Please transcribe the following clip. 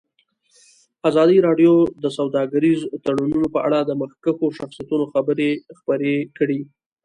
ازادي راډیو د سوداګریز تړونونه په اړه د مخکښو شخصیتونو خبرې خپرې کړي.